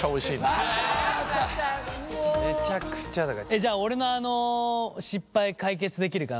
じゃ俺のあの失敗解決できるかな。